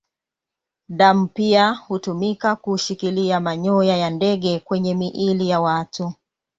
Damu pia hutumika kushikilia manyoya ya ndege kwenye miili ya watu.